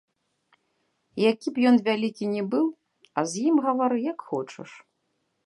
Які б ён вялікі ні быў, а з ім гавары як хочаш.